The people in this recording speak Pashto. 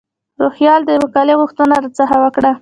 روهیال د مقالې غوښتنه را څخه وکړه.